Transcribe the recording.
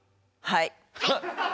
はい。